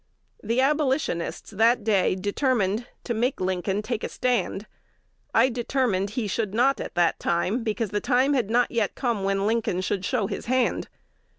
The Abolitionists that day determined to make Lincoln take a stand. I determined he should not at that time, because the time had not yet come when Lincoln should show his hand.